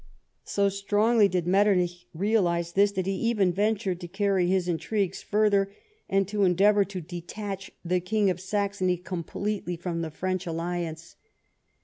* So strongly did Metternich realise this, that he even ventured to carry his intrigues further, and to endeavour to detach the King of Saxony completely from the French alliance.